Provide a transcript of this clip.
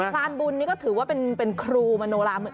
ฟานบุญนี้ก็ถือว่าเป็นครูมโนรา